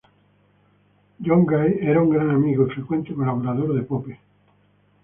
John Gay era un gran amigo y frecuente colaborador de Pope.